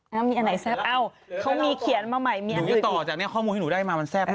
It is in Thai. อันนี้อันไหนแซ่บอ้าวเขามีเขียนมาใหม่